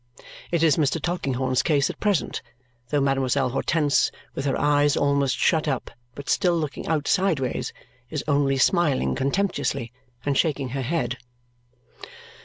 It is Mr. Tulkinghorn's case at present, though Mademoiselle Hortense, with her eyes almost shut up (but still looking out sideways), is only smiling contemptuously and shaking her head.